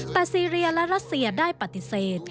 แต่ซีเรียและรัสเซียได้ปฏิเสธ